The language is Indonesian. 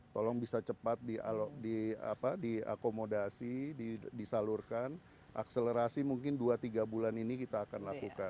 tolong bisa cepat diakomodasi disalurkan akselerasi mungkin dua tiga bulan ini kita akan lakukan